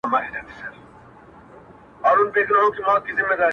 • پر ښکاري وه ډېر ه ګرانه نازولې -